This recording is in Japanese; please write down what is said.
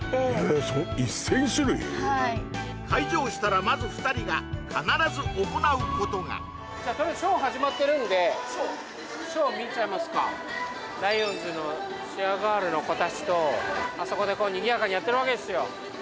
はい開場したらまず２人が必ず行うことがじゃとりあえずショー始まってるんでショー見ちゃいますかライオンズのチアガールの子達とあそこでにぎやかにやってるわけですよ